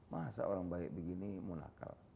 masa orang baik begini mau nakal